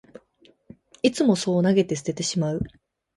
いつもそう投げ捨ててしまう